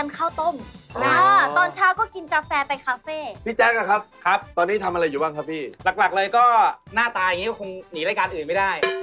ก็หน้าตายังงี้ก็คงหนีรายการอื่นไม่ได้